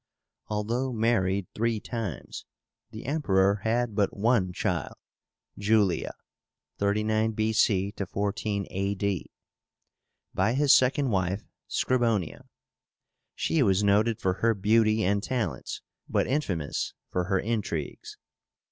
Although married three times, the Emperor had but one child, JULIA (39 B.C. 14 A.D.), by his second wife, Scribonia. She was noted for her beauty and talents, but infamous for her intrigues.